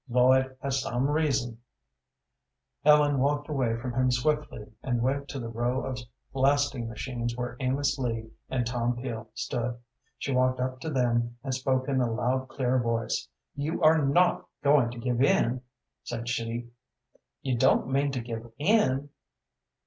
Lloyd has some reason " Ellen walked away from him swiftly and went to the row of lasting machines where Amos Lee and Tom Peel stood. She walked up to them and spoke in a loud, clear voice. "You are not going to give in?" said she. "You don't mean to give in?"